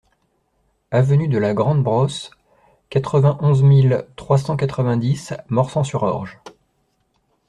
Avenue de la Grande Brosse, quatre-vingt-onze mille trois cent quatre-vingt-dix Morsang-sur-Orge